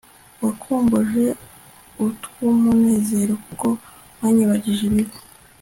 wankumbuje utw' umunezero kuko wanyibagije ibibi